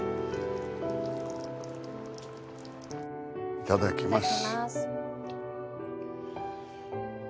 いただきます。